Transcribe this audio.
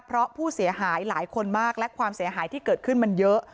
เพราะผู้เสียหายหลายคนมากและความเสียหายที่เกิดขึ้นมันเยอะ